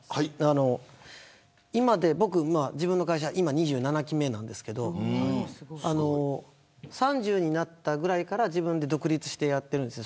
今は僕、自分の会社２７期目なんですけど３０になったぐらいから自分で独立してるんです。